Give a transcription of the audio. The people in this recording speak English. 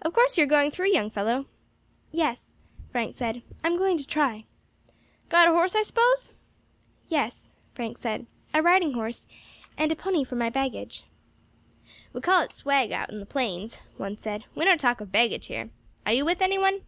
"Of course you are going through, young fellow?" "Yes," Frank said, "I am going to try." "Got a horse, I suppose?" "Yes," Frank said, "a riding horse, and a pony for my baggage." "We calls it swag out on the plains," one said; "we don't talk of baggage here. Are you with any one?"